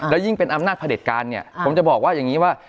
แล้วยิ่งเป็นอำนาจพระเด็จการเนี่ยผมจะบอกว่าอย่างนี้ว่า